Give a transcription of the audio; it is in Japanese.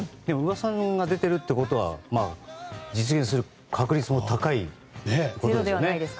噂が出ているということは実現する確率も高いということですよね。